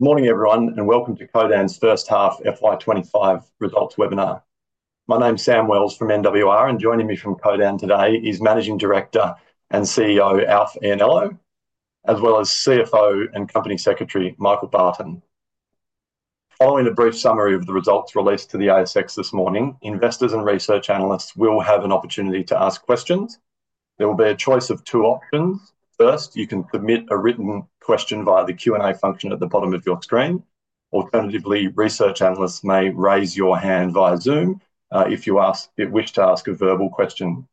Good morning, everyone, and welcome to Codan's first half FY 2025 results webinar. My name's Sam Wells from NWR, and joining me from Codan today is Managing Director and CEO Alf Ianniello, as well as CFO and Company Secretary Michael Barton. Following a brief summary of the results released to the ASX this morning, investors and research analysts will have an opportunity to ask questions. There will be a choice of two options. First, you can submit a written question via the Q&A function at the bottom of your screen. Alternatively, research analysts may raise your hand via Zoom if you wish to ask a verbal question.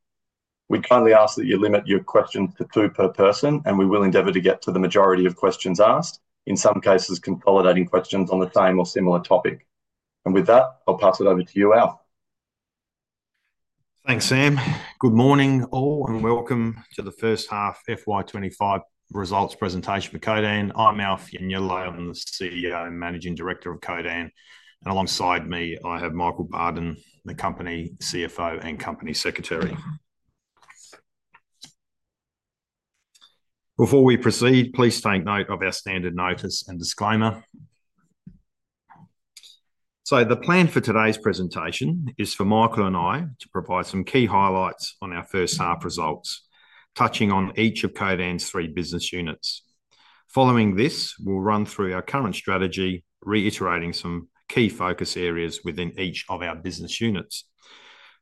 We kindly ask that you limit your questions to two per person, and we will endeavor to get to the majority of questions asked, in some cases consolidating questions on the same or similar topic. With that, I'll pass it over to you, Alf. Thanks, Sam. Good morning, all, and welcome to the first half FY 2025 results presentation for Codan. I'm Alf Ianniello. I'm the CEO and Managing Director of Codan, and alongside me, I have Michael Barton, the company's CFO and company secretary. Before we proceed, please take note of our standard notice and disclaimer. So the plan for today's presentation is for Michael and I to provide some key highlights on our first half results, touching on each of Codan's three business units. Following this, we'll run through our current strategy, reiterating some key focus areas within each of our business units.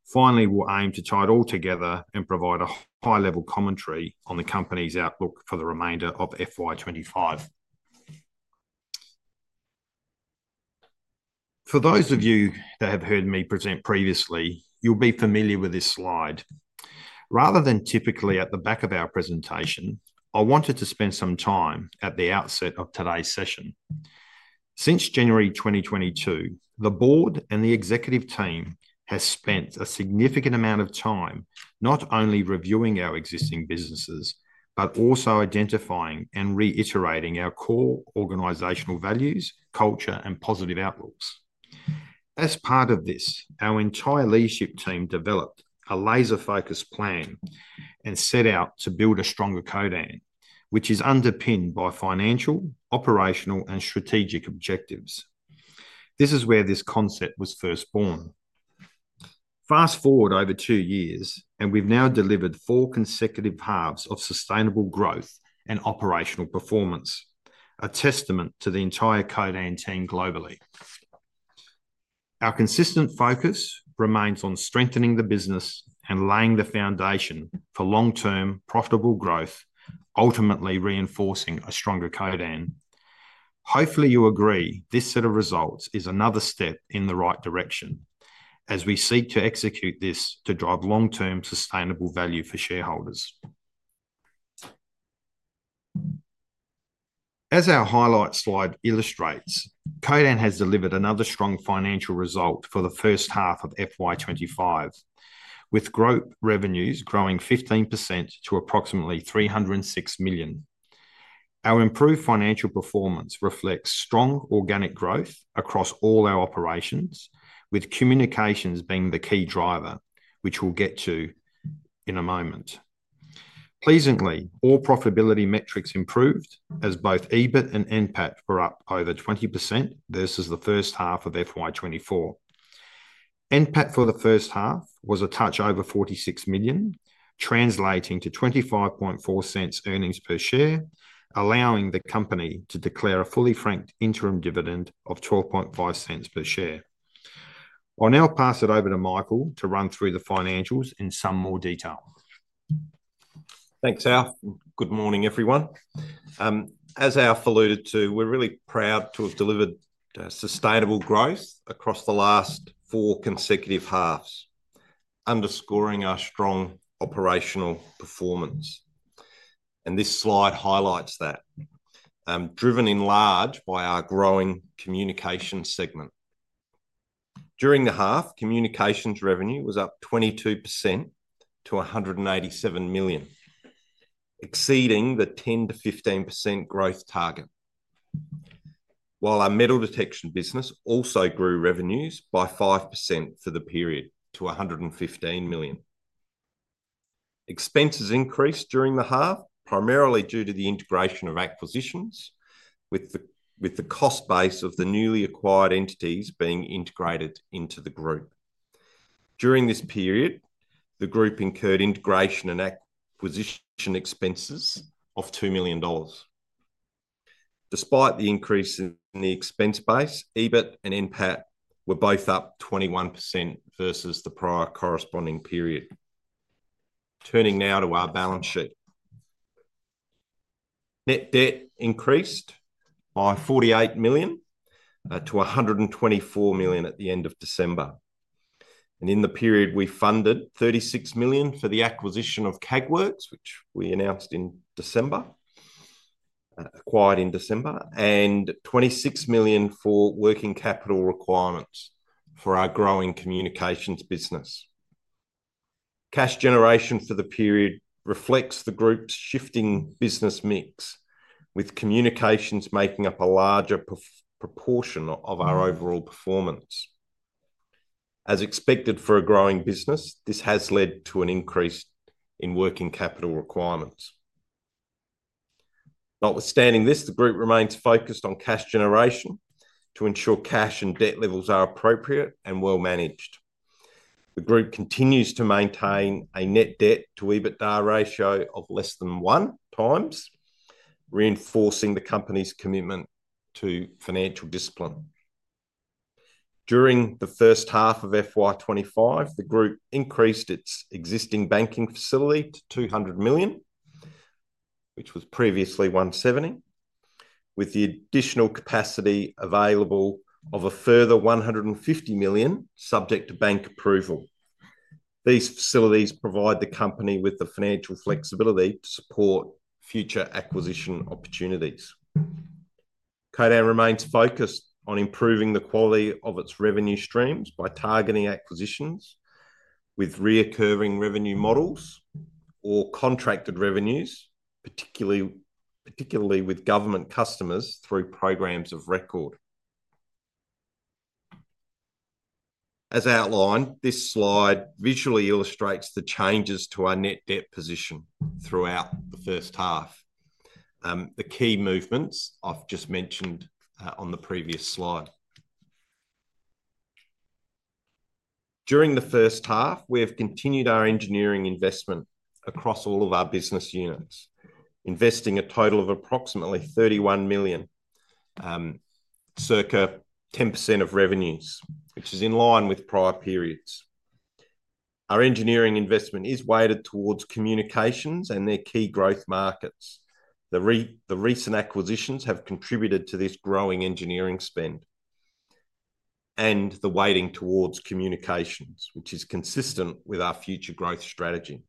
Finally, we'll aim to tie it all together and provide a high-level commentary on the company's outlook for the remainder of FY 2025. For those of you that have heard me present previously, you'll be familiar with this slide. Rather than typically at the back of our presentation, I wanted to spend some time at the outset of today's session. Since January 2022, the board and the executive team have spent a significant amount of time not only reviewing our existing businesses but also identifying and reiterating our core organizational values, culture, and positive outlooks. As part of this, our entire leadership team developed a laser-focused plan and set out to build a stronger Codan, which is underpinned by financial, operational, and strategic objectives. This is where this concept was first born. Fast forward over two years, and we've now delivered four consecutive halves of sustainable growth and operational performance, a testament to the entire Codan team globally. Our consistent focus remains on strengthening the business and laying the foundation for long-term profitable growth, ultimately reinforcing a stronger Codan. Hopefully, you agree this set of results is another step in the right direction as we seek to execute this to drive long-term sustainable value for shareholders. As our highlight slide illustrates, Codan has delivered another strong financial result for the first half of FY 2025, with group revenues growing 15% to approximately 306 million. Our improved financial performance reflects strong organic growth across all our operations, with communications being the key driver, which we'll get to in a moment. Pleasantly, all profitability metrics improved as both EBIT and NPAT were up over 20% versus the first half of FY24. NPAT for the first half was a touch over 46 million, translating to 0.254 earnings per share, allowing the company to declare a fully franked interim dividend of 0.125 per share. I'll now pass it over to Michael to run through the financials in some more detail. Thanks, Alf. Good morning, everyone. As Alf alluded to, we're really proud to have delivered sustainable growth across the last four consecutive halves, underscoring our strong operational performance. And this slide highlights that, driven largely by our growing communications segment. During the half, communications revenue was up 22% to 187 million, exceeding the 10% to 15% growth target, while our metal detection business also grew revenues by 5% for the period to 115 million. Expenses increased during the half, primarily due to the integration of acquisitions, with the cost base of the newly acquired entities being integrated into the group. During this period, the group incurred integration and acquisition expenses of 2 million dollars. Despite the increase in the expense base, EBIT and NPAT were both up 21% versus the prior corresponding period. Turning now to our balance sheet, net debt increased by 48 million to 124 million at the end of December, and in the period, we funded AUD 36 million for the acquisition of Kagwerks, which we announced in December, acquired in December, and 26 million for working capital requirements for our growing communications business. Cash generation for the period reflects the group's shifting business mix, with communications making up a larger proportion of our overall performance. As expected for a growing business, this has led to an increase in working capital requirements. Notwithstanding this, the group remains focused on cash generation to ensure cash and debt levels are appropriate and well-managed. The group continues to maintain a net debt-to-EBITDA ratio of less than one times, reinforcing the company's commitment to financial discipline. During the first half of FY 2025, the group increased its existing banking facility to 200 million, which was previously 170 million, with the additional capacity available of a further 150 million, subject to bank approval. These facilities provide the company with the financial flexibility to support future acquisition opportunities. Codan remains focused on improving the quality of its revenue streams by targeting acquisitions with recurring revenue models or contracted revenues, particularly with government customers through programs of record. As outlined, this slide visually illustrates the changes to our net debt position throughout the first half, the key movements I've just mentioned on the previous slide. During the first half, we have continued our engineering investment across all of our business units, investing a total of approximately 31 million, circa 10% of revenues, which is in line with prior periods. Our engineering investment is weighted towards communications and their key growth markets. The recent acquisitions have contributed to this growing engineering spend and the weighting towards communications, which is consistent with our future growth strategy.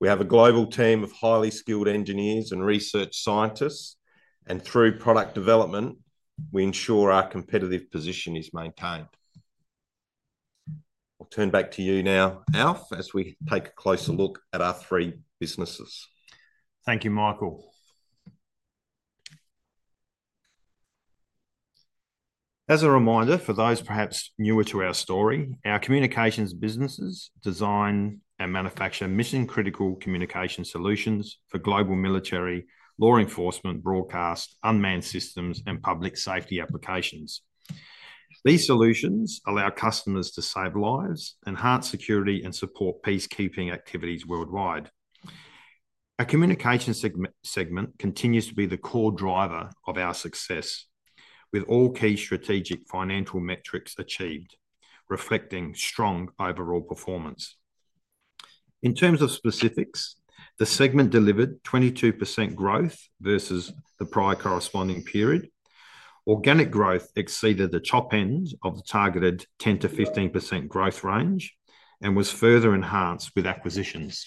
We have a global team of highly skilled engineers and research scientists, and through product development, we ensure our competitive position is maintained. I'll turn back to you now, Alf, as we take a closer look at our three businesses. Thank you, Michael. As a reminder, for those perhaps newer to our story, our communications businesses design and manufacture mission-critical communication solutions for global military law enforcement, broadcast, unmanned systems, and public safety applications. These solutions allow customers to save lives, enhance security, and support peacekeeping activities worldwide. Our communication segment continues to be the core driver of our success, with all key strategic financial metrics achieved, reflecting strong overall performance. In terms of specifics, the segment delivered 22% growth versus the prior corresponding period. Organic growth exceeded the top end of the targeted 10% to 15% growth range and was further enhanced with acquisitions.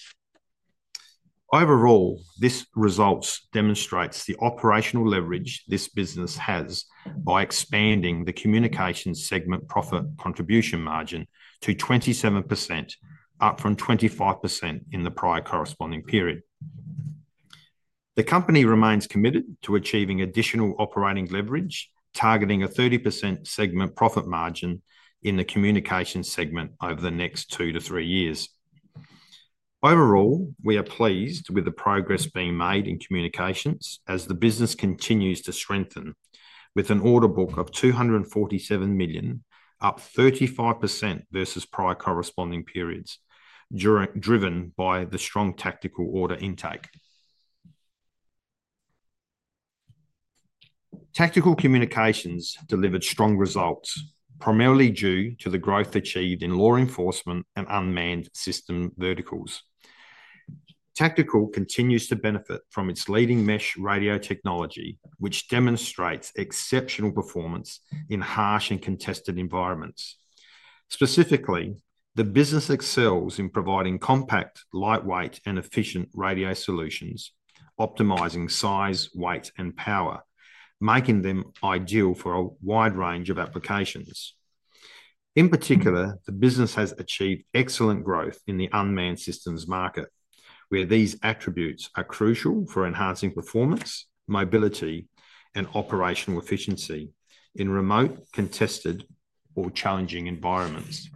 Overall, this result demonstrates the operational leverage this business has by expanding the communications segment profit contribution margin to 27%, up from 25% in the prior corresponding period. The company remains committed to achieving additional operating leverage, targeting a 30% segment profit margin in the communications segment over the next two to three years. Overall, we are pleased with the progress being made in communications as the business continues to strengthen, with an order book of 247 million, up 35% versus prior corresponding periods, driven by the strong tactical order intake. Tactical communications delivered strong results, primarily due to the growth achieved in law enforcement and unmanned system verticals. Tactical continues to benefit from its leading mesh radio technology, which demonstrates exceptional performance in harsh and contested environments. Specifically, the business excels in providing compact, lightweight, and efficient radio solutions, optimizing size, weight, and power, making them ideal for a wide range of applications. In particular, the business has achieved excellent growth in the unmanned systems market, where these attributes are crucial for enhancing performance, mobility, and operational efficiency in remote, contested, or challenging environments.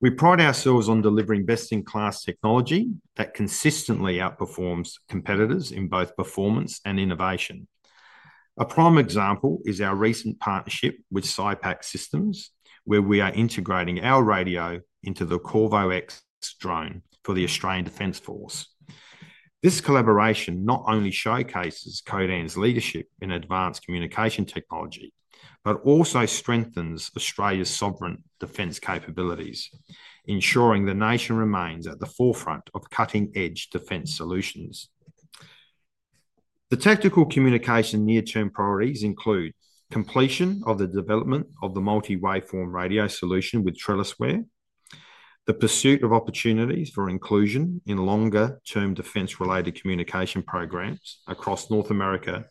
We pride ourselves on delivering best-in-class technology that consistently outperforms competitors in both performance and innovation. A prime example is our recent partnership with SYPAQ Systems, where we are integrating our radio into the CorvoX drone for the Australian Defense Force. This collaboration not only showcases Codan's leadership in advanced communication technology but also strengthens Australia's sovereign defense capabilities, ensuring the nation remains at the forefront of cutting-edge defense solutions. The tactical communication near-term priorities include completion of the development of the multi-waveform radio solution with TrellisWare, the pursuit of opportunities for inclusion in longer-term defense-related communication programs across North America,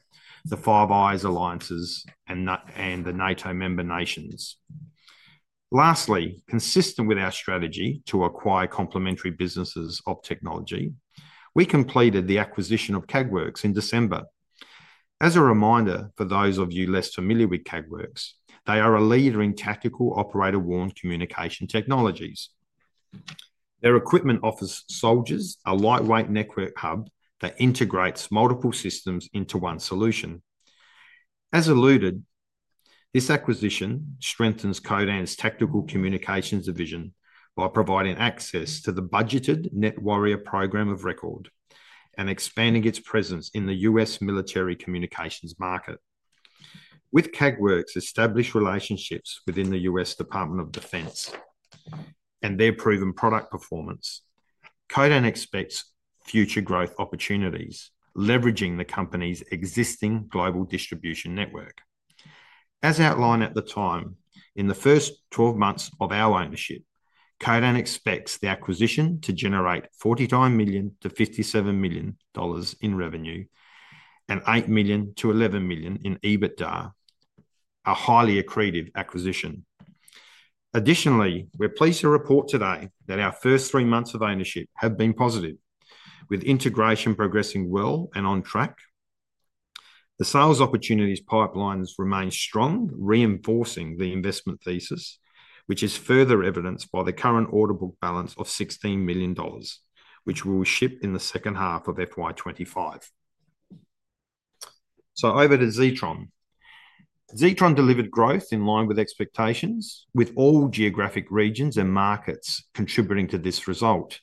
the Five Eyes alliances, and the NATO member nations. Lastly, consistent with our strategy to acquire complementary businesses of technology, we completed the acquisition of Kagwerks in December. As a reminder, for those of you less familiar with Kagwerks, they are a leader in tactical operator-worn communication technologies. Their equipment offers soldiers a lightweight network hub that integrates multiple systems into one solution. As alluded, this acquisition strengthens Codan's Tactical Communications division by providing access to the budgeted Nett Warrior program of record and expanding its presence in the US military communications market. With Kagwerks established relationships within the US Department of Defense and their proven product performance, Codan expects future growth opportunities, leveraging the company's existing global distribution network. As outlined at the time, in the first 12 months of our ownership, Codan expects the acquisition to generate $49 million to 57 million in revenue and $8 million to 11 million in EBITDA, a highly accretive acquisition. Additionally, we're pleased to report today that our first three months of ownership have been positive, with integration progressing well and on track. The sales opportunities pipelines remain strong, reinforcing the investment thesis, which is further evidenced by the current order book balance of 16 million dollars, which we will ship in the second half of FY 2025. So over to Zetron. Zetron delivered growth in line with expectations, with all geographic regions and markets contributing to this result.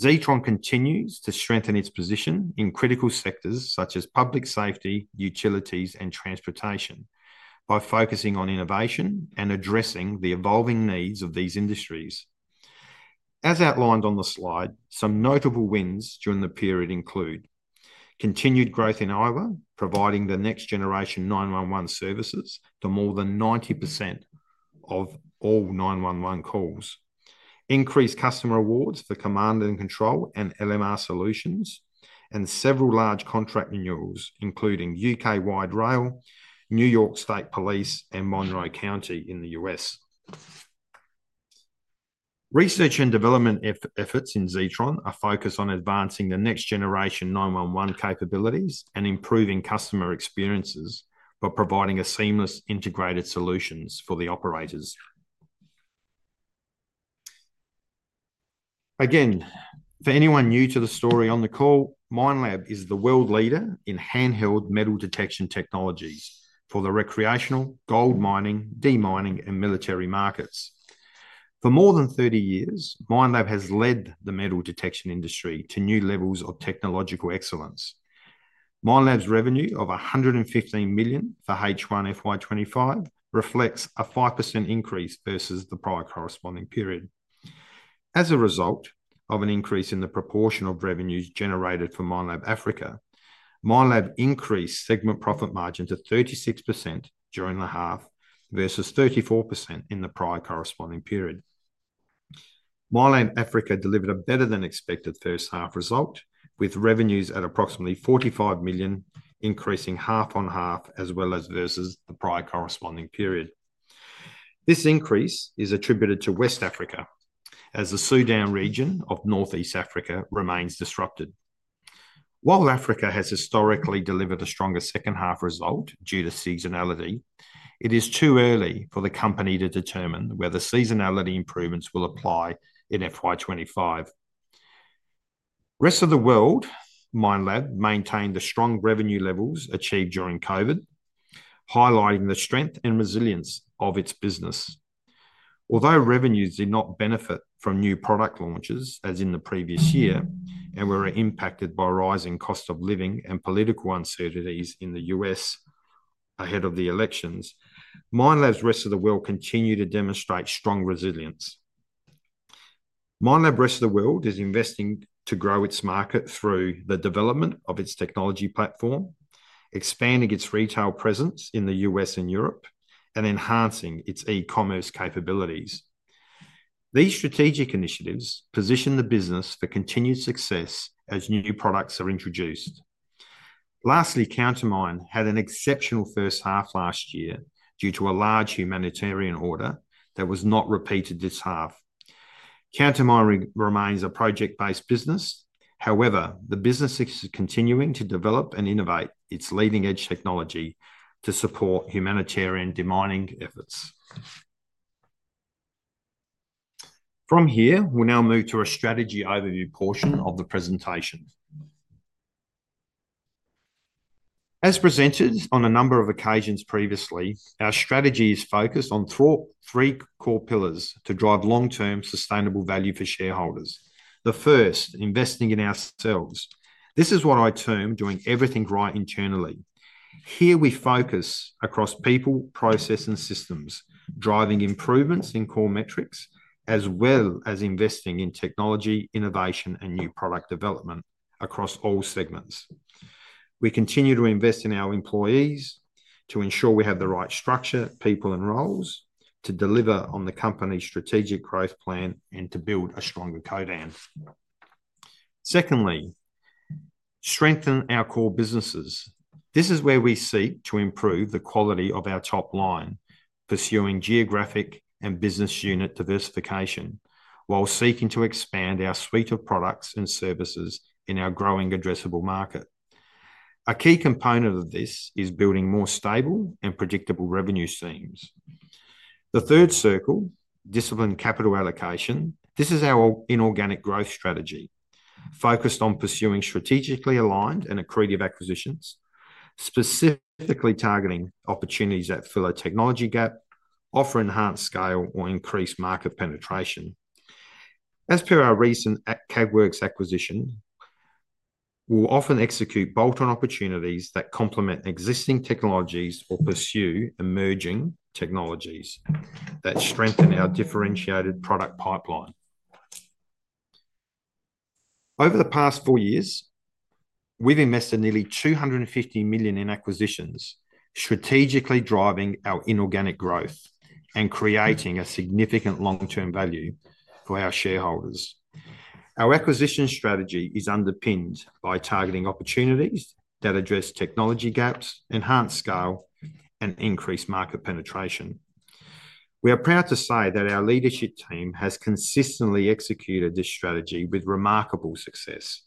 Zetron continues to strengthen its position in critical sectors such as public safety, utilities, and transportation by focusing on innovation and addressing the evolving needs of these industries. As outlined on the slide, some notable wins during the period include continued growth in Iowa, providing the next-generation 911 services to more than 90% of all 911 calls, increased customer awards for command and control and LMR solutions, and several large contract renewals, including UK-Wide Rail, New York State Police, and Monroe County in the US. Research and development efforts in Zetron are focused on advancing the next-generation 911 capabilities and improving customer experiences by providing seamless integrated solutions for the operators. Again, for anyone new to the story on the call, Minelab is the world leader in handheld metal detection technologies for the recreational, gold mining, demining, and military markets. For more than 30 years, Minelab has led the metal detection industry to new levels of technological excellence. Minelab's revenue of 115 million for H1 FY 2025 reflects a 5% increase versus the prior corresponding period. As a result of an increase in the proportion of revenues generated for Minelab Africa, Minelab increased segment profit margin to 36% during the half versus 34% in the prior corresponding period. Minelab Africa delivered a better-than-expected first half result, with revenues at approximately 45 million, increasing half on half as well as versus the prior corresponding period. This increase is attributed to West Africa, as the Sudan region of Northeast Africa remains disrupted. While Africa has historically delivered a stronger second half result due to seasonality, it is too early for the company to determine whether seasonality improvements will apply in FY 2025. Rest of the world, Minelab maintained the strong revenue levels achieved during COVID, highlighting the strength and resilience of its business. Although revenues did not benefit from new product launches, as in the previous year, and were impacted by rising cost of living and political uncertainties in the U.S. ahead of the elections, Minelab's Rest of the World continued to demonstrate strong resilience. Minelab's Rest of the World is investing to grow its market through the development of its technology platform, expanding its retail presence in the U.S. and Europe, and enhancing its e-commerce capabilities. These strategic initiatives position the business for continued success as new products are introduced. Lastly, Countermine had an exceptional first half last year due to a large humanitarian order that was not repeated this half. Countermine remains a project-based business. However, the business is continuing to develop and innovate its leading-edge technology to support humanitarian demining efforts. From here, we'll now move to a strategy overview portion of the presentation. As presented on a number of occasions previously, our strategy is focused on three core pillars to drive long-term sustainable value for shareholders. The first, investing in ourselves. This is what I term doing everything right internally. Here, we focus across people, process, and systems, driving improvements in core metrics, as well as investing in technology, innovation, and new product development across all segments. We continue to invest in our employees to ensure we have the right structure, people, and roles to deliver on the company's strategic growth plan and to build a stronger Codan. Secondly, strengthen our core businesses. This is where we seek to improve the quality of our top line, pursuing geographic and business unit diversification while seeking to expand our suite of products and services in our growing addressable market. A key component of this is building more stable and predictable revenue streams. The third circle, disciplined capital allocation, this is our inorganic growth strategy, focused on pursuing strategically aligned and accretive acquisitions, specifically targeting opportunities that fill a technology gap, offer enhanced scale, or increase market penetration. As per our recent Kagwerks acquisition, we'll often execute bolt-on opportunities that complement existing technologies or pursue emerging technologies that strengthen our differentiated product pipeline. Over the past four years, we've invested nearly 250 million in acquisitions, strategically driving our inorganic growth and creating a significant long-term value for our shareholders. Our acquisition strategy is underpinned by targeting opportunities that address technology gaps, enhance scale, and increase market penetration. We are proud to say that our leadership team has consistently executed this strategy with remarkable success.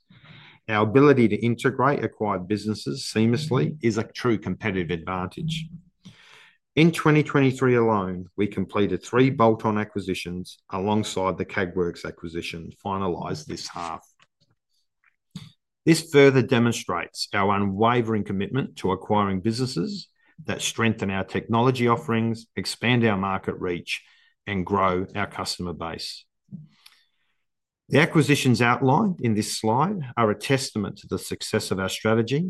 Our ability to integrate acquired businesses seamlessly is a true competitive advantage. In 2023 alone, we completed three bolt-on acquisitions alongside the Kagwerks acquisition finalized this half. This further demonstrates our unwavering commitment to acquiring businesses that strengthen our technology offerings, expand our market reach, and grow our customer base. The acquisitions outlined in this slide are a testament to the success of our strategy.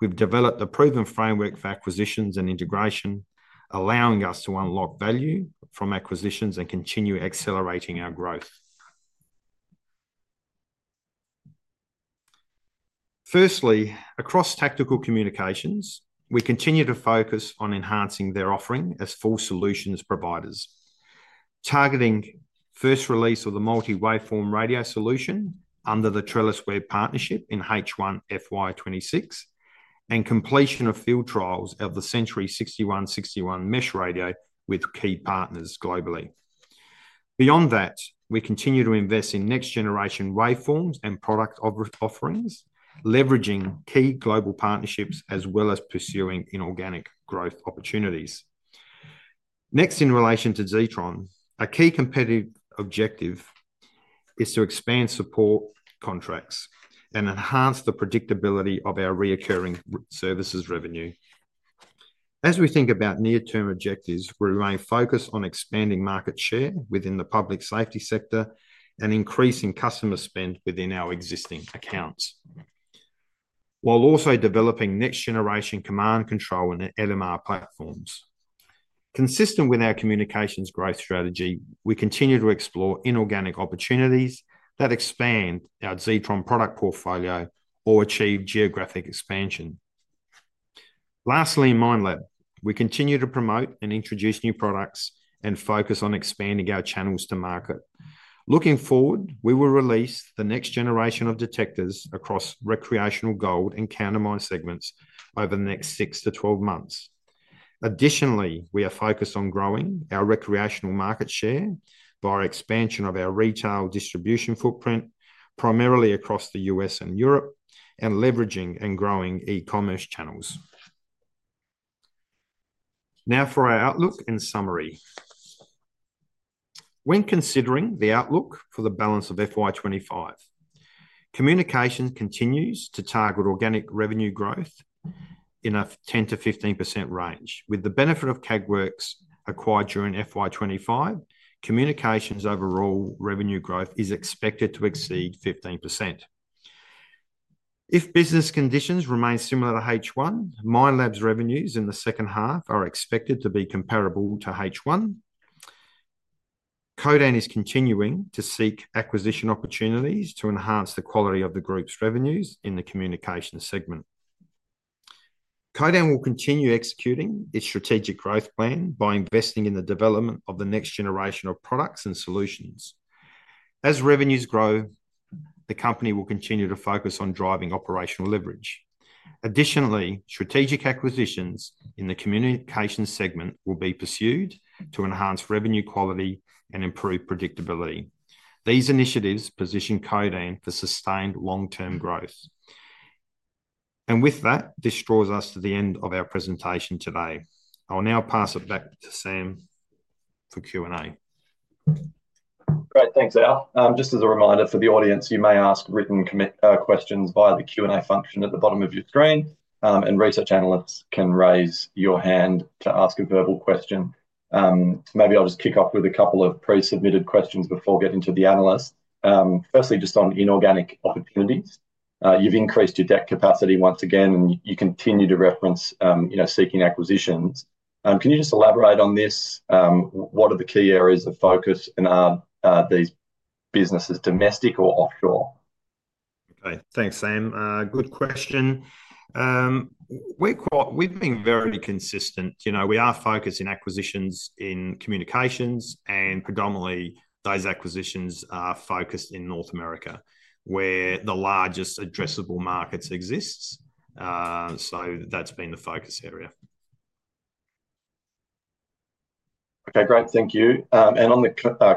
We've developed a proven framework for acquisitions and integration, allowing us to unlock value from acquisitions and continue accelerating our growth. Firstly, across tactical communications, we continue to focus on enhancing their offering as full solutions providers, targeting first release of the multi-waveform radio solution under the TrellisWare partnership in H1 FY26 and completion of field trials of the Sentry 6161 mesh radio with key partners globally. Beyond that, we continue to invest in next-generation waveforms and product offerings, leveraging key global partnerships as well as pursuing inorganic growth opportunities. Next, in relation to Zetron, a key competitive objective is to expand support contracts and enhance the predictability of our recurring services revenue. As we think about near-term objectives, we remain focused on expanding market share within the public safety sector and increasing customer spend within our existing accounts, while also developing next-generation command and control and LMR platforms. Consistent with our communications growth strategy, we continue to explore inorganic opportunities that expand our Zetron product portfolio or achieve geographic expansion. Lastly, in Minelab, we continue to promote and introduce new products and focus on expanding our channels to market. Looking forward, we will release the next generation of detectors across recreational, gold, and countermine segments over the next six to 12 months. Additionally, we are focused on growing our recreational market share via expansion of our retail distribution footprint, primarily across the U.S. and Europe, and leveraging and growing e-commerce channels. Now, for our outlook and summary. When considering the outlook for the balance of FY 2025, communication continues to target organic revenue growth in a 10% to 15% range. With the benefit of Kagwerks acquired during FY 2025, communications overall revenue growth is expected to exceed 15%. If business conditions remain similar to H1, Minelab's revenues in the second half are expected to be comparable to H1. Codan is continuing to seek acquisition opportunities to enhance the quality of the group's revenues in the communication segment. Codan will continue executing its strategic growth plan by investing in the development of the next generation of products and solutions. As revenues grow, the company will continue to focus on driving operational leverage. Additionally, strategic acquisitions in the communication segment will be pursued to enhance revenue quality and improve predictability. These initiatives position Codan for sustained long-term growth. And with that, this draws us to the end of our presentation today. I'll now pass it back to Sam for Q&A. Great. Thanks, Al. Just as a reminder for the audience, you may ask written questions via the Q&A function at the bottom of your screen, and research analysts can raise your hand to ask a verbal question. Maybe I'll just kick off with a couple of pre-submitted questions before getting to the analyst. Firstly, just on inorganic opportunities, you've increased your debt capacity once again, and you continue to reference seeking acquisitions. Can you just elaborate on this? What are the key areas of focus in these businesses, domestic or offshore? Okay. Thanks, Sam. Good question. We've been very consistent. We are focusing acquisitions in communications, and predominantly, those acquisitions are focused in North America, where the largest addressable markets exist. So that's been the focus area. Okay. Great. Thank you. And on the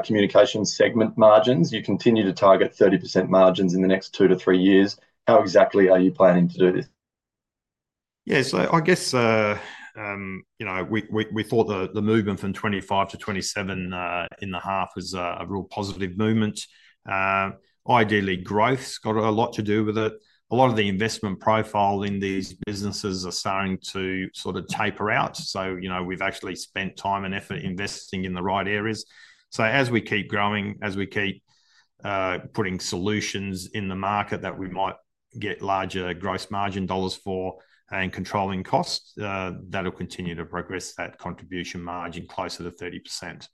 communication segment margins, you continue to target 30% margins in the next two to three years. How exactly are you planning to do this? Yes. I guess we thought the movement from 25% to 27% in the half was a real positive movement. Ideally, growth's got a lot to do with it. A lot of the investment profile in these businesses are starting to sort of taper out. So we've actually spent time and effort investing in the right areas. So as we keep growing, as we keep putting solutions in the market that we might get larger gross margin dollars for and controlling costs, that'll continue to progress that contribution margin closer to 30%.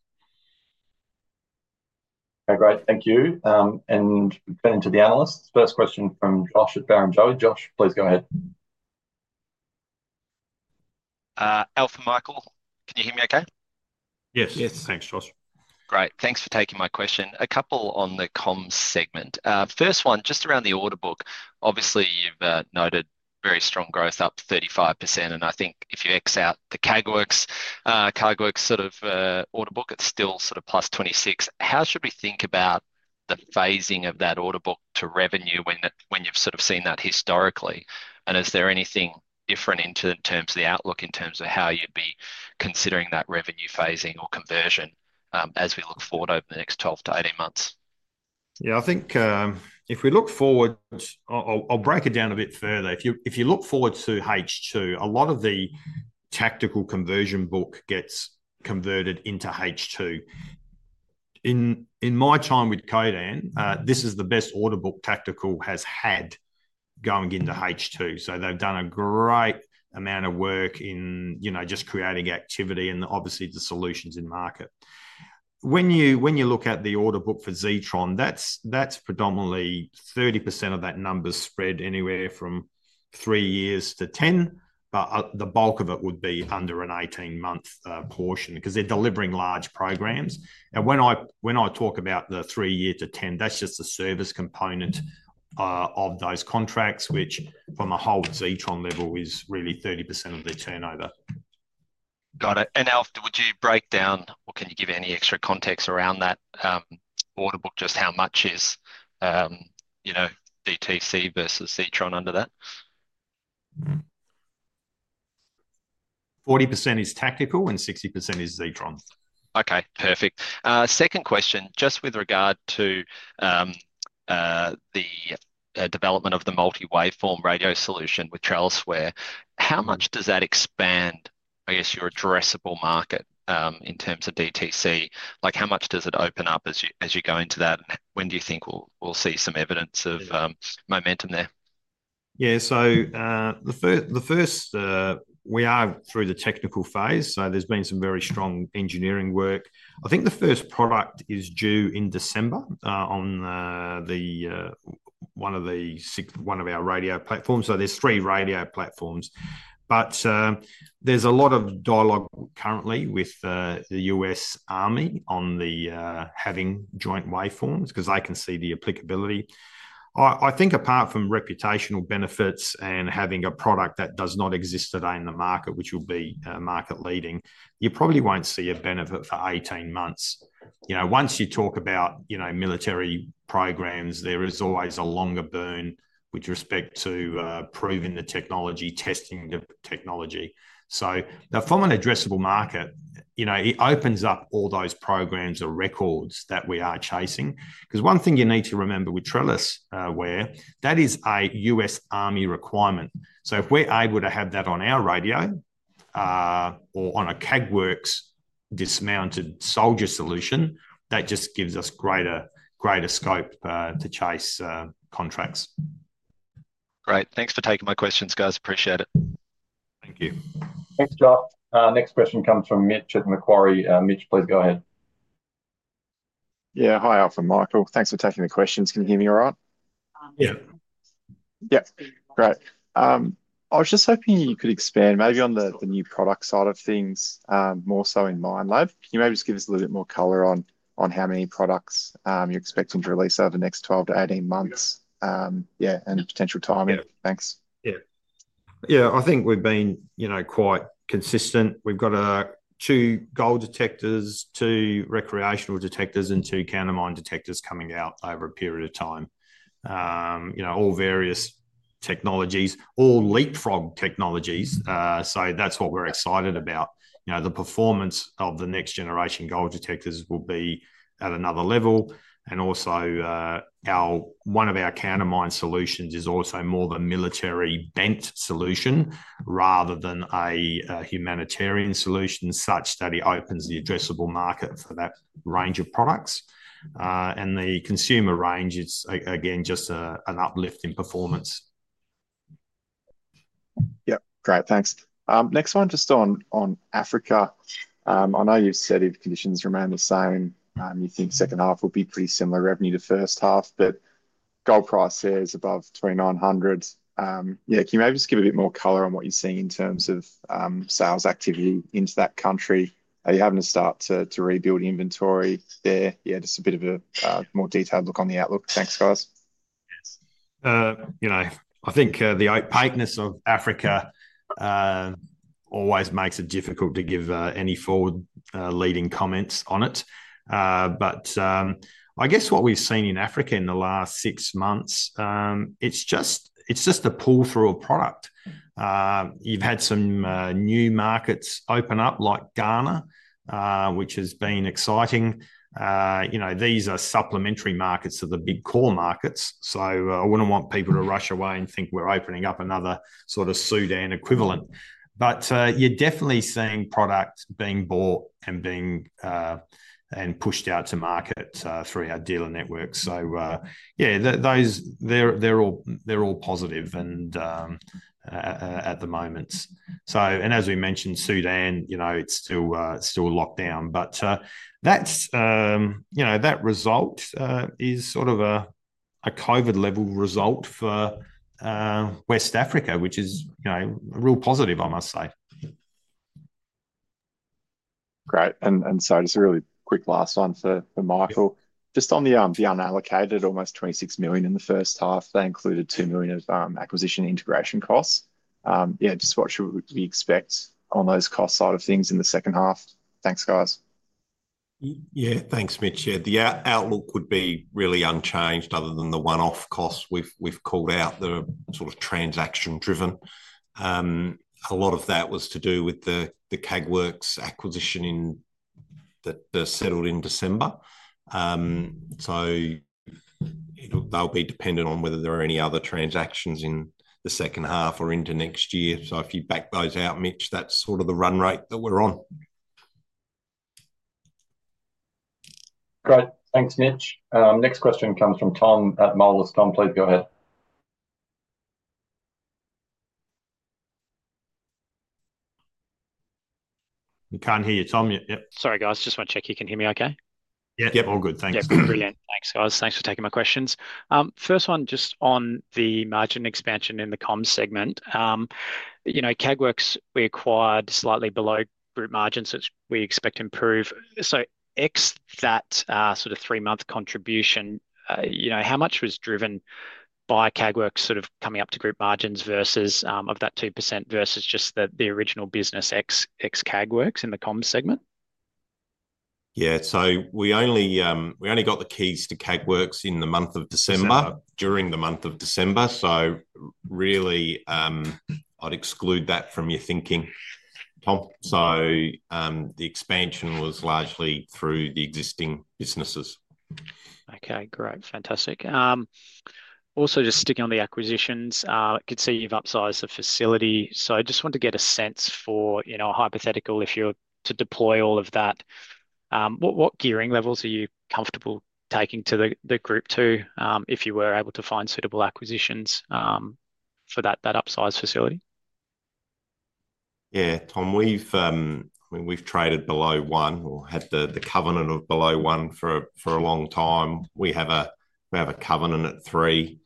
Okay. Great. Thank you. And we'll turn to the analysts. First question from Josh at Barrenjoey. Josh, please go ahead. Alf and Michael, can you hear me okay? Yes. Yes. Thanks, Josh. Great. Thanks for taking my question. A couple on the comms segment. First one, just around the order book, obviously, you've noted very strong growth, up 35%. And I think if you X out the Kagwerks sort of order book, it's still sort of plus 26%. How should we think about the phasing of that order book to revenue when you've sort of seen that historically? And is there anything different in terms of the outlook in terms of how you'd be considering that revenue phasing or conversion as we look forward over the next 12 to 18 months? Yeah. I think if we look forward, I'll break it down a bit further. If you look forward to H2, a lot of the tactical conversion book gets converted into H2. In my time with Codan, this is the best order book tactical has had going into H2. So they've done a great amount of work in just creating activity and, obviously, the solutions in market. When you look at the order book for Zetron, that's predominantly 30% of that number spread anywhere from three years to 10, but the bulk of it would be under an 18-month portion because they're delivering large programs. And when I talk about the three years to 10, that's just the service component of those contracts, which, from a whole Zetron level, is really 30% of their turnover. Got it. And Alf, would you break down, or can you give any extra context around that order book, just how much is DTC versus Zetron under that? 40% is tactical, and 60% is Zetron. Okay. Perfect. Second question, just with regard to the development of the multi-waveform radio solution with TrellisWare, how much does that expand, I guess, your addressable market in terms of DTC? How much does it open up as you go into that? When do you think we'll see some evidence of momentum there? Yeah. So the first, we are through the technical phase. So there's been some very strong engineering work. I think the first product is due in December on one of our radio platforms. So there's three radio platforms. But there's a lot of dialogue currently with the U.S. Army on having joint waveforms because they can see the applicability. I think apart from reputational benefits and having a product that does not exist today in the market, which will be market-leading, you probably won't see a benefit for 18 months. Once you talk about military programs, there is always a longer burn with respect to proving the technology, testing the technology. So from an addressable market, it opens up all those programs of record that we are chasing. Because one thing you need to remember with TrellisWare, that is a US Army requirement. So if we're able to have that on our radio or on a Kagwerks dismounted soldier solution, that just gives us greater scope to chase contracts. Great. Thanks for taking my questions, guys. Appreciate it. Thank you. Thanks, Josh. Next question comes from Mitch at Macquarie. Mitch, please go ahead. Yeah. Hi, Alf and Michael. Thanks for taking the questions. Can you hear me all right? Yeah. Yeah. Great. I was just hoping you could expand maybe on the new product side of things, more so in Minelab. Can you maybe just give us a little bit more color on how many products you're expecting to release over the next 12 to 18 months? Yeah, and potential timing. Thanks. Yeah. Yeah. I think we've been quite consistent. We've got two gold detectors, two recreational detectors, and two countermine detectors coming out over a period of time, all various technologies, all leapfrog technologies. So that's what we're excited about. The performance of the next-generation gold detectors will be at another level. And also, one of our countermine solutions is also more of a military-bent solution rather than a humanitarian solution such that it opens the addressable market for that range of products. And the consumer range is, again, just an uplift in performance. Yep. Great. Thanks. Next one, just on Africa. I know you said if conditions remain the same, you think second half will be pretty similar revenue to first half, but gold prices above $2,900. Yeah. Can you maybe just give a bit more color on what you're seeing in terms of sales activity into that country? Are you having to start to rebuild inventory there? Yeah, just a bit of a more detailed look on the outlook. Thanks, guys. I think the opaqueness of Africa always makes it difficult to give any forward-looking comments on it. But I guess what we've seen in Africa in the last six months, it's just the pull-through of product. You've had some new markets open up, like Ghana, which has been exciting. These are supplementary markets of the big core markets. So I wouldn't want people to rush away and think we're opening up another sort of Sudan equivalent. But you're definitely seeing product being bought and pushed out to market through our dealer network. So yeah, they're all positive at the moments. And as we mentioned, Sudan, it's still locked down. But that result is sort of a COVID-level result for West Africa, which is real positive, I must say. Great. And so just a really quick last one for Michael. Just on the unallocated, almost 26 million in the first half, they included two million of acquisition integration costs. Yeah, just what should we expect on those cost side of things in the second half? Thanks, guys. Yeah. Thanks, Mitch. Yeah. The outlook would be really unchanged other than the one-off costs we've called out that are sort of transaction-driven. A lot of that was to do with the Kagwerks acquisition that settled in December. So they'll be dependent on whether there are any other transactions in the second half or into next year. So if you back those out, Mitch, that's sort of the run rate that we're on. Great. Thanks, Mitch. Next question comes from Tom at Moelis. Tom, please go ahead. We can't hear you, Tom. Yep. Sorry, guys. Just want to check you can hear me okay? Yep. All good. Thanks. Brilliant. Thanks, guys. Thanks for taking my questions. First one, just on the margin expansion in the comms segment. Kagwerks, we acquired slightly below group margins, which we expect to improve. So ex that sort of three-month contribution, how much was driven by Kagwerks sort of coming up to group margins of that 2% versus just the original business ex Kagwerks in the comms segment? Yeah. So we only got the keys to Kagwerks in the month of December, during the month of December. So really, I'd exclude that from your thinking, Tom. So the expansion was largely through the existing businesses. Okay. Great. Fantastic. Also, just sticking on the acquisitions, I could see you've upsized the facility. So I just want to get a sense for a hypothetical, if you were to deploy all of that, what gearing levels are you comfortable taking to the group to if you were able to find suitable acquisitions for that upsized facility? Yeah. Tom, I mean, we've traded below one or had the covenant of below one for a long time. We have a covenant at three.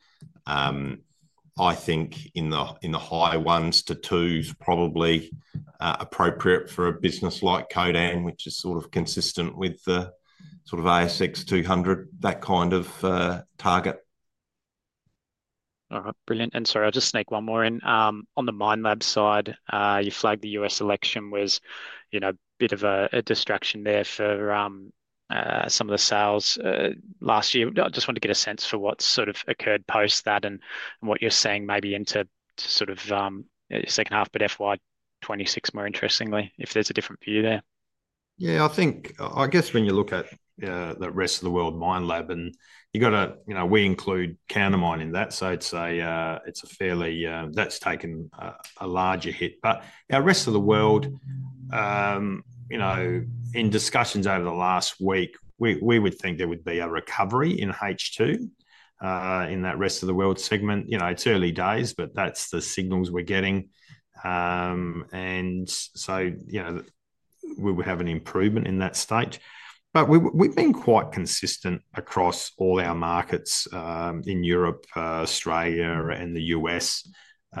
I think in the high ones to twos, probably appropriate for a business like Codan, which is sort of consistent with the sort of ASX 200, that kind of target. All right. Brilliant. And sorry, I'll just sneak one more in. On the Minelab side, you flagged the US election was a bit of a distraction there for some of the sales last year. I just wanted to get a sense for what sort of occurred post that and what you're seeing maybe into sort of second half, but FY26, more interestingly, if there's a different view there. Yeah. I guess when you look at the rest of the world, Minelab, and we include Countermine in that, so it's a fairly that's taken a larger hit. But our rest of the world, in discussions over the last week, we would think there would be a recovery in H2 in that rest of the world segment. It's early days, but that's the signals we're getting. And so we would have an improvement in that state. But we've been quite consistent across all our markets in Europe, Australia, and the US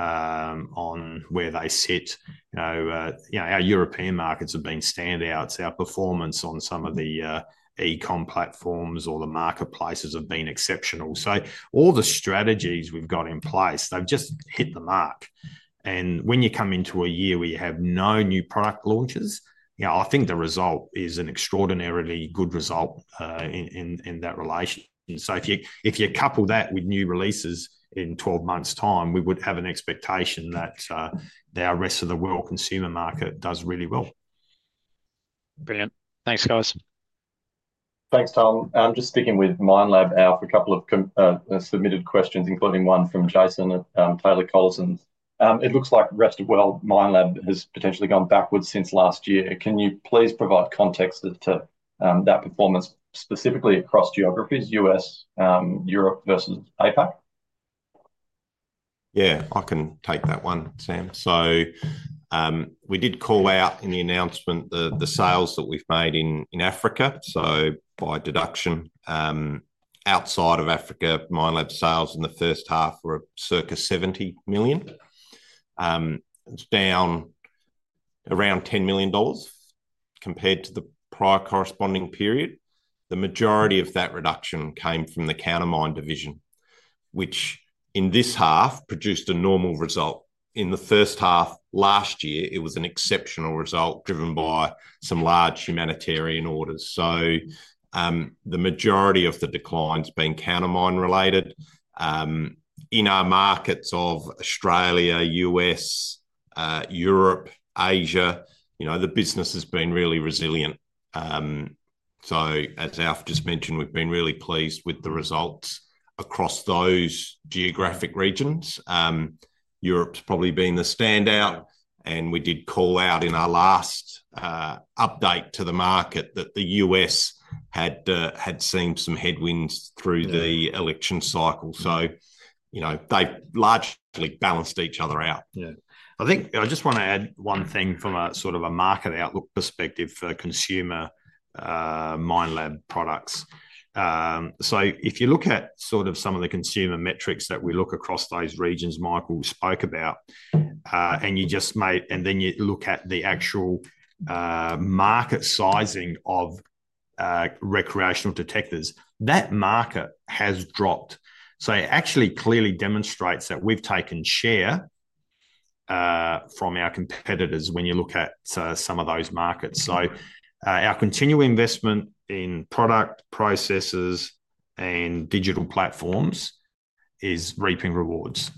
on where they sit. Our European markets have been standouts. Our performance on some of the e-comm platforms or the marketplaces have been exceptional. So all the strategies we've got in place, they've just hit the mark. And when you come into a year where you have no new product launches, I think the result is an extraordinarily good result in that relation. So if you couple that with new releases in 12 months' time, we would have an expectation that our rest of the world consumer market does really well. Brilliant. Thanks, guys. Thanks, Tom. Just sticking with Minelab, Alf, a couple of submitted questions, including one from Jason at Taylor Collison. It looks like the rest of the world Minelab has potentially gone backwards since last year. Can you please provide context to that performance specifically across geographies, US, Europe versus APAC? Yeah. I can take that one, Sam. So we did call out in the announcement the sales that we've made in Africa. So by deduction, outside of Africa, Minelab sales in the first half were circa 70 million. It's down around AUD 10 million compared to the prior corresponding period. The majority of that reduction came from the Countermine division, which in this half produced a normal result. In the first half last year, it was an exceptional result driven by some large humanitarian orders. So the majority of the decline has been Countermine-related. In our markets of Australia, U.S., Europe, Asia, the business has been really resilient. So as Alf just mentioned, we've been really pleased with the results across those geographic regions. Europe's probably been the standout. And we did call out in our last update to the market that the U.S. had seen some headwinds through the election cycle. So they've largely balanced each other out. Yeah. I just want to add one thing from a sort of a market outlook perspective for consumer Minelab products. So if you look at sort of some of the consumer metrics that we look across those regions Michael spoke about, and you just made and then you look at the actual market sizing of recreational detectors, that market has dropped. So it actually clearly demonstrates that we've taken share from our competitors when you look at some of those markets. So our continuing investment in product processes and digital platforms is reaping rewards.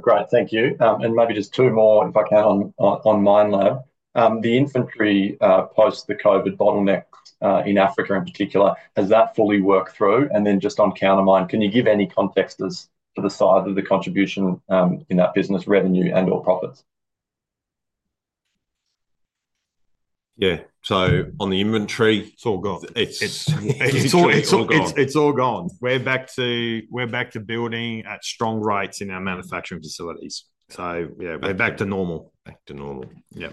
Great. Thank you. And maybe just two more, if I can, on Minelab. The inventory post the COVID bottlenecks in Africa in particular, has that fully worked through? And then just on countermine, can you give any context as to the size of the contribution in that business revenue and/or profits? Yeah. So on the inventory, it's all gone. It's all gone. It's all gone. We're back to building at strong rates in our manufacturing facilities. So yeah, we're back to normal. Back to normal. Yeah.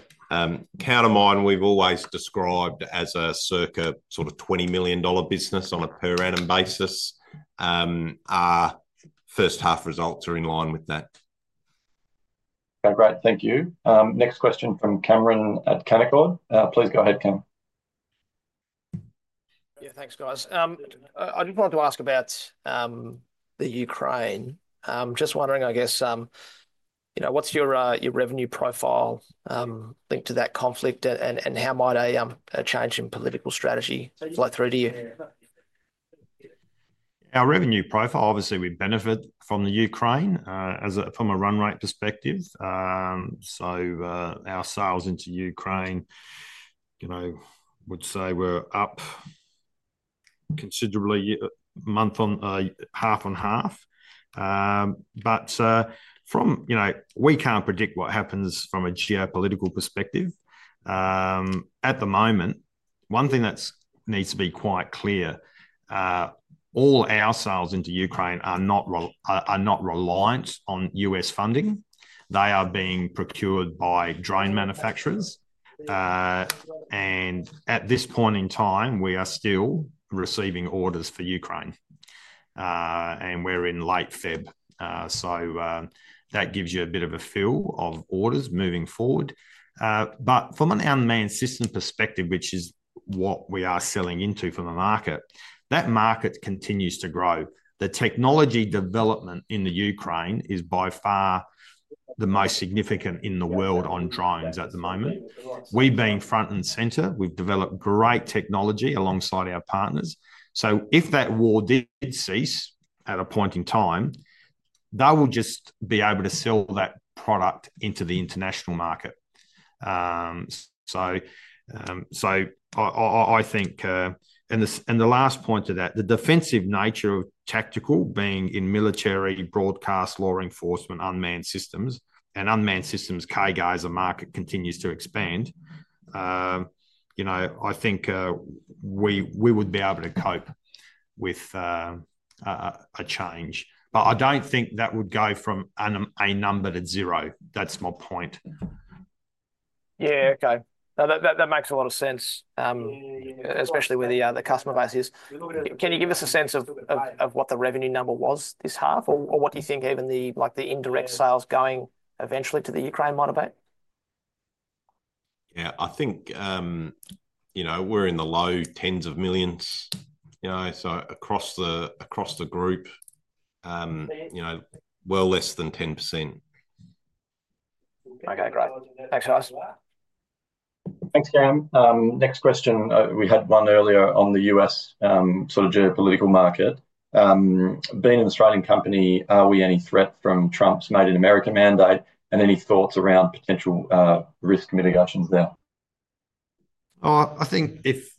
Countermine, we've always described as a circa sort of 20 million dollar business on a per annum basis. Our first half results are in line with that. Okay. Great. Thank you. Next question from Cameron at Canaccord. Please go ahead, Cam. Yeah. Thanks, guys. I just wanted to ask about the Ukraine. Just wondering, I guess, what's your revenue profile linked to that conflict and how might a change in political strategy flow through to you? Our revenue profile, obviously, we benefit from the Ukraine from a run rate perspective. So our sales into Ukraine, I would say, were up considerably half and half. But we can't predict what happens from a geopolitical perspective. At the moment, one thing that needs to be quite clear, all our sales into Ukraine are not reliant on U.S. funding. They are being procured by drone manufacturers. And at this point in time, we are still receiving orders for Ukraine. And we're in late February. So that gives you a bit of a feel of orders moving forward. But from an unmanned system perspective, which is what we are selling into from the market, that market continues to grow. The technology development in the Ukraine is by far the most significant in the world on drones at the moment. We've been front and center. We've developed great technology alongside our partners. So if that war did cease at a point in time, they will just be able to sell that product into the international market. So I think in the last point of that, the defensive nature of tactical being in military broadcast, law enforcement, unmanned systems, Kagwerks' market continues to expand. I think we would be able to cope with a change. But I don't think that would go from a number to zero. That's my point. Yeah. Okay. That makes a lot of sense, especially where the customer base is. Can you give us a sense of what the revenue number was this half, or what do you think even the indirect sales going eventually to the Ukraine might have been? Yeah. I think we're in the low tens of millions. So across the group, well less than 10%. Okay. Great. Thanks, guys. Thanks, Cam. Next question. We had one earlier on the U.S. sort of geopolitical market. Being an Australian company, are we any threat from Trump's Made in America mandate and any thoughts around potential risk mitigations there? I think if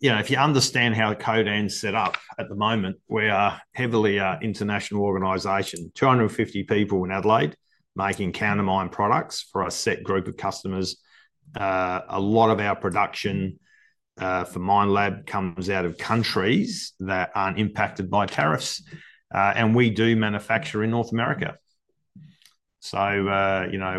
you understand how Codan's set up at the moment, we are a heavily international organization, 250 people in Adelaide making Countermine products for a set group of customers. A lot of our production for Minelab comes out of countries that aren't impacted by tariffs. And we do manufacture in North America. So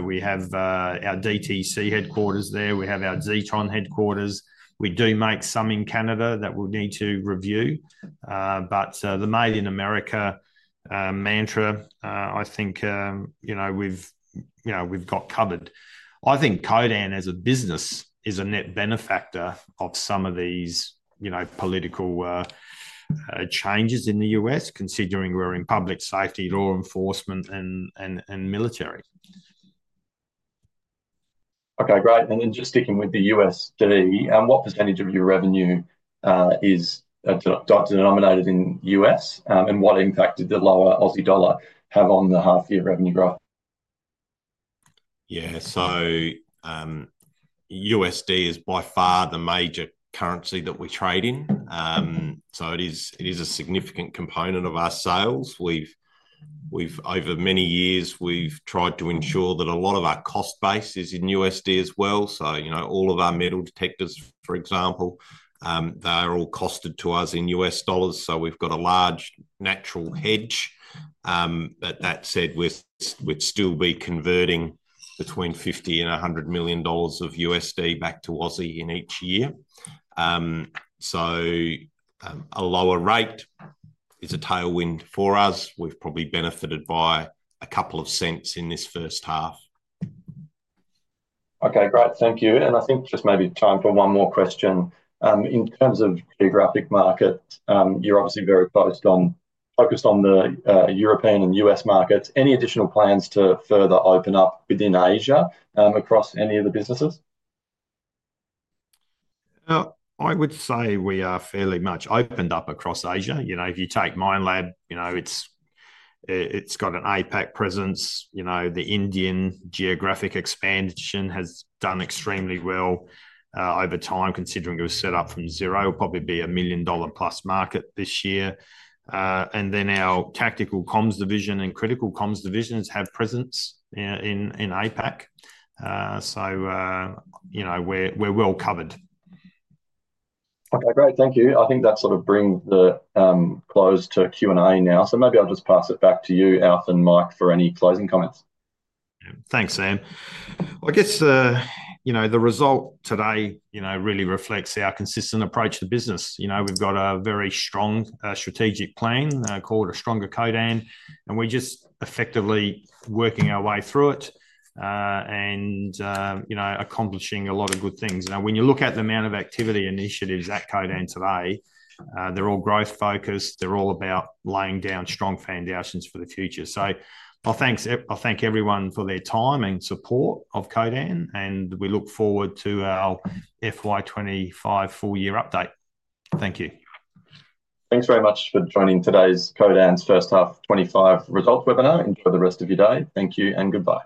we have our DTC headquarters there. We have our Zetron headquarters. We do make some in Canada that we'll need to review. But the Made in America mantra, I think we've got covered. I think Codan as a business is a net benefactor of some of these political changes in the U.S., considering we're in public safety, law enforcement, and military. Okay. Great. And then just sticking with the U.S., what percentage of your revenue is denominated in U.S., and what impact did the lower Aussie dollar have on the half-year revenue graph? Yeah. USD is by far the major currency that we trade in. It is a significant component of our sales. Over many years, we've tried to ensure that a lot of our cost base is in USD as well. All of our metal detectors, for example, they are all costed to us in U.S. dollars. We've got a large natural hedge. That said, we'd still be converting between $50 million and 100 million of USD back to Aussie in each year. A lower rate is a tailwind for us. We've probably benefited by a couple of cents in this first half. Okay. Great. Thank you. I think just maybe time for one more question. In terms of geographic markets, you're obviously very focused on the European and U.S. markets. Any additional plans to further open up within Asia across any of the businesses? I would say we are fairly much opened up across Asia. If you take Minelab, it's got an APAC presence. The Indian geographic expansion has done extremely well over time, considering it was set up from zero. It'll probably be a million-dollar-plus market this year. And then our tactical comms division and critical comms divisions have presence in APAC. So we're well covered. Okay. Great. Thank you. I think that sort of brings the close to Q&A now. So maybe I'll just pass it back to you, Alf and Mike, for any closing comments. Thanks, Sam. I guess the result today really reflects our consistent approach to business. We've got a very strong strategic plan called A Stronger Codan, and we're just effectively working our way through it and accomplishing a lot of good things. When you look at the amount of activity initiatives at Codan today, they're all growth-focused. They're all about laying down strong foundations for the future. So I'll thank everyone for their time and support of Codan, and we look forward to our FY 2025 full-year update. Thank you. Thanks very much for joining today's Codan's first half 25 results webinar. Enjoy the rest of your day. Thank you and goodbye.